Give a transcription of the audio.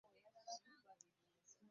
Okutumbula ebyobulimi mu Uganda.